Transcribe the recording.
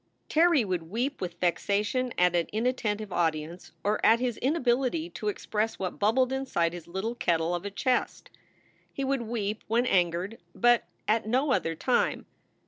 Terry would weep with vexation at an inattentive audi ence or at his inability to express what bubbled inside his little kettle of a chest. He would weep when angered, but at no other time.